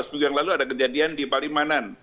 seminggu yang lalu ada kejadian di palimanan